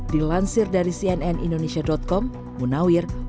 dilansir dari cnn indonesia com munawir